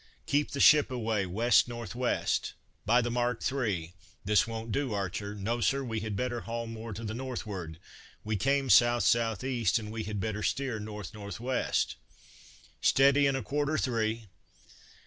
"Keep the ship away, west north west." "By the mark three." "This won't do, Archer." "No, Sir, we had better haul more to the northward; we came south south east, and had better steer north north west." "Steady, and a quarter three."